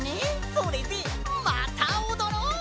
それでまたおどろう！